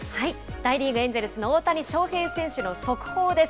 大リーグ・エンジェルスの大谷翔平選手の速報です。